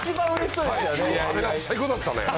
あれが最高だったね。